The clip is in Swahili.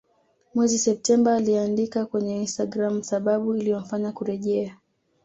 Mwezi Septemba aliandika kwenye Instagram sababu iliyomfanya kurejea